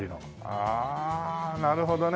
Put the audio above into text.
ああなるほどね。